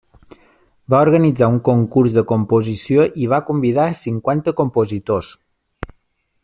Va organitzar un concurs de composició i va convidar a cinquanta compositors.